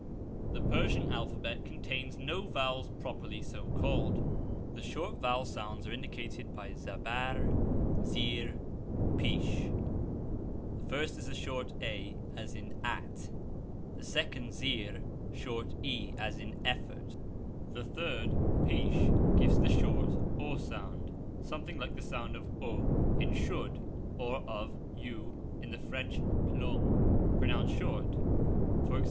The Persian alphabet contains no vowels, properly so called. The short vowel sounds are indicated by (') zabarr, (J) zeerr, () jnsh. The first is a short (a) as in at ; the second (zeerr) short (e) as in effort; the third (jnsh) gives the short (u) sound something like the sound of ou in should, or of u in the French plume pronounced short : ex.